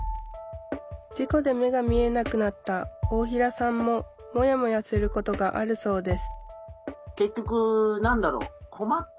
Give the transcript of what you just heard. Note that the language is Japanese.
事故で目が見えなくなった大平さんもモヤモヤすることがあるそうです